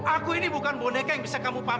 aku ini bukan boneka yang bisa kamu takutkan bu